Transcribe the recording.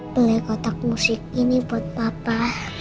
beli kotak musik ini buat papa